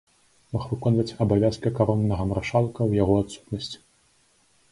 Мог выконваць абавязкі кароннага маршалка ў яго адсутнасць.